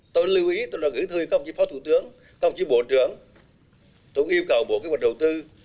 tôi lưu ý tôi đã gửi thư không chỉ phó thủ tướng không chỉ bộ trưởng tôi yêu cầu bộ kế hoạch đầu tư